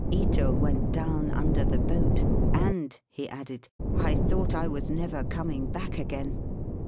Ito went down under the boat, and," he added, I thought I was never coming back again."